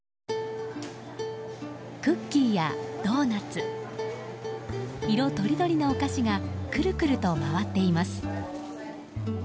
クッキーやドーナツ色とりどりのお菓子がくるくると回っています。